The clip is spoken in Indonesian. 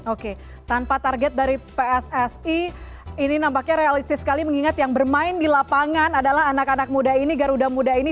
oke tanpa target dari pssi ini nampaknya realistis sekali mengingat yang bermain di lapangan adalah anak anak muda ini garuda muda ini